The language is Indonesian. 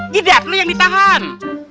gidat lo yang ditahan